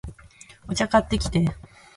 お茶、買ってきて